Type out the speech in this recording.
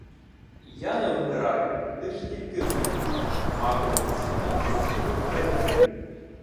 – Я не вмираю, лиш тільки гину.. Маковим цвітом зросту у траві.